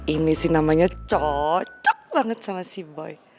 ini sih namanya cocok banget sama sea boy